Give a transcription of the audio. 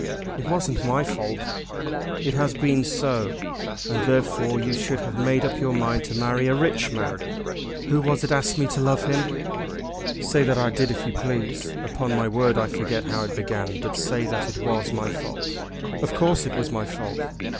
"It wasn't my fault." "It has been so, and therefore you should have made up your mind to marry a rich man." "Who was it asked me to love him?" "Say that I did if you please. Upon my word I forget how it began, but say that it was my fault. Of course it was my fault.